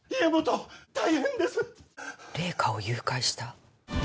麗華を誘拐した。